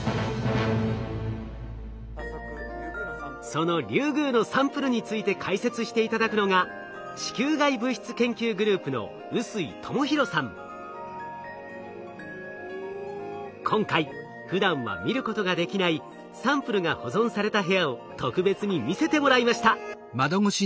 そのリュウグウのサンプルについて解説して頂くのが今回ふだんは見ることができないサンプルが保存された部屋を特別に見せてもらいました。